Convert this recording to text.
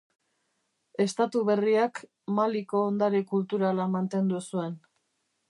Estatu berriak Maliko ondare kulturala mantendu zuen.